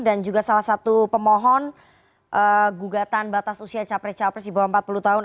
dan juga salah satu pemohon gugatan batas usia capres cawapres di bawah empat puluh tahun